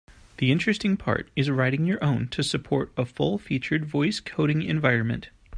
The interesting part is writing your own to support a full-featured voice coding environment.